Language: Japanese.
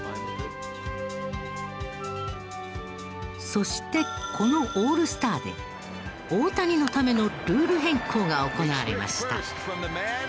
そしてこのオールスターで大谷のためのルール変更が行われました。